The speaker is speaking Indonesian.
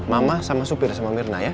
mama sama supir sama mirna ya